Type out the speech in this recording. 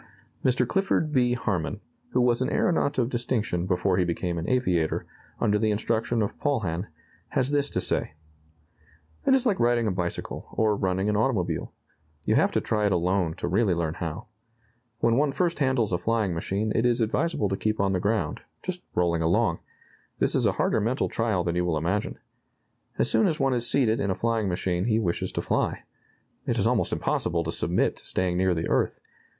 Mr. Clifford B. Harmon, who was an aeronaut of distinction before he became an aviator, under the instruction of Paulhan, has this to say: "It is like riding a bicycle, or running an automobile. You have to try it alone to really learn how. When one first handles a flying machine it is advisable to keep on the ground, just rolling along. This is a harder mental trial than you will imagine. As soon as one is seated in a flying machine he wishes to fly. It is almost impossible to submit to staying near the earth.